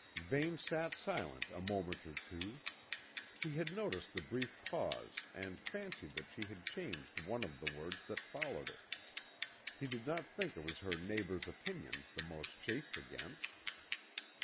Vane sat silent a moment or two. He had noticed the brief pause and fancied that she had changed one of the words that followed it. He did not think it was her neighbours' opinions she most chafed against.